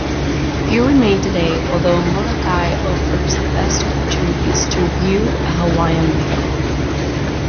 Few remain today, although Molokai offers the best opportunities to view a Hawaiian "loko".